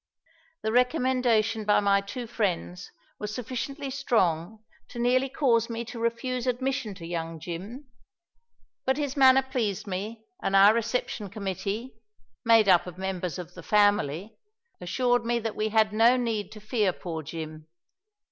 The recommendation by my two friends was sufficiently strong to nearly cause me to refuse admission to young Jim. But his manner pleased me and our reception committee made up of members of the Family assured me that we had no need to fear poor Jim.